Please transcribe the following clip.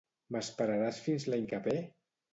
M'esperaràs fins l'any que ve?